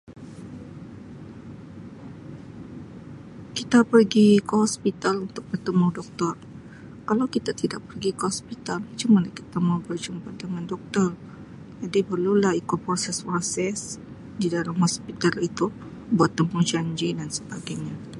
Kita pergi ke hospital untuk bertemu Doktor kalau kita tidak pergi ke hospital macam mana kita mau berjumpa dengan Doktor jadi perlu lah ikut proses-proses di dalam hospital itu buat temujanji dan sebagainya.